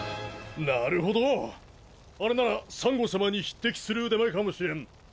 なるほどあれなら珊瑚さまに匹敵する腕前かもしれん。